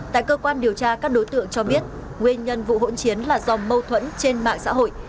tại cơ quan điều tra các đối tượng cho biết nguyên nhân vụ hỗn chiến là do mâu thuẫn trên mạng xã hội